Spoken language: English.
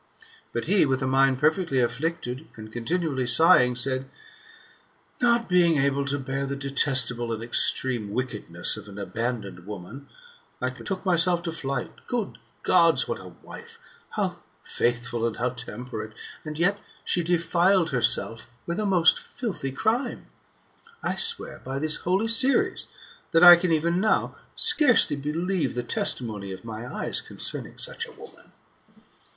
But he, with a mind perfectly afflicted, and continually sighing, said, "Not being able to bear the detestable and extreme wickedness of an abandoned woman, I betook myself to flight. Good Gods ! what a wife ! how faithful and how temperate, and yet she defiled herself with a most filthy crime ! I swear, by this holy Ceres, that I can even now scarcely believe the testimony of my eyes, concerning such a woman."